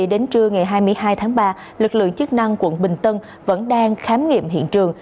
đến trưa ngày hai mươi hai tháng ba lực lượng chức năng quận bình tân vẫn đang khám nghiệm hiện trường